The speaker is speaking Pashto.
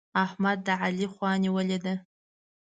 احمد د علي خوا نيولې ده.